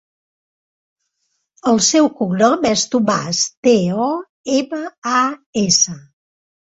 El seu cognom és Tomas: te, o, ema, a, essa.